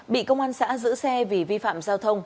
bị công an xã giữ xe vì vi phạm giao thông